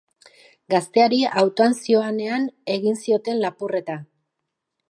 Gazteari autoan zihoanean egin zioten lapurreta.